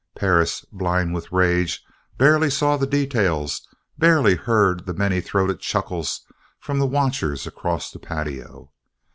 Perris, blind with rage, barely saw the details, barely heard the many throated chuckle from the watchers across the patio.